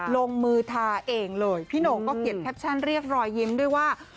ลงมือทาเองเลยพี่โหน่งก็เขียนแคปชั่นเรียกรอยยิ้มด้วยว่า